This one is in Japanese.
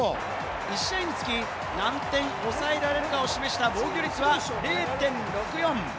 １試合につき何点抑えられるかを示した防御率は０．６４。